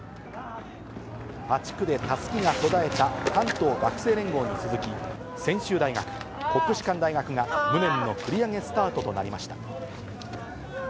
８区でたすきが途絶えた関東学生連合に続き、専修大学、国士舘大学が無念の繰り上げスタートとなりました。